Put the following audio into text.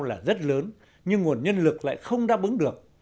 là rất lớn nhưng nguồn nhân lực lại không đáp ứng được